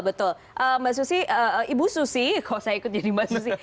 betul mbak susi ibu susi kalau saya ikut jadi mbak susi